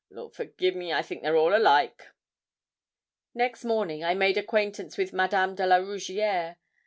Lord forgi' me, I think they're all alike.' Next morning I made acquaintance with Madame de la Rougierre.